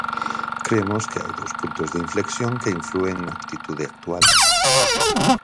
Cremos que hai dous puntos de inflexión que inflúen na actitude actual.